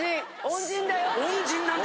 恩人だよ。